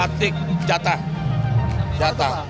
batik jatah jatah